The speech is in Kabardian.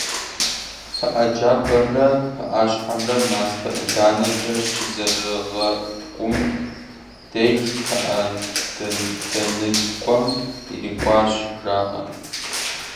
ПыӀэ джабэмрэ пыӀащхьэмрэ мастэ-ӀуданэкӀэ щызэрагъэкӀум деж пыӏэ дэныкӏуэм ирикӏуащ, жаӀэ.